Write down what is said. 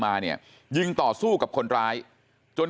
ทำให้สัมภาษณ์อะไรต่างนานไปออกรายการเยอะแยะไปหมด